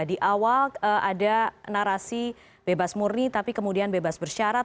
di awal ada narasi bebas murni tapi kemudian bebas bersyarat